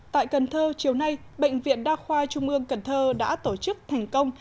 tại cần thơ chiều nay bệnh viện đa khoa trung ương cần thơ đã tổ chức thành công